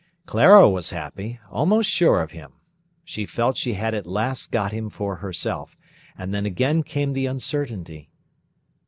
Clara was happy, almost sure of him. She felt she had at last got him for herself; and then again came the uncertainty.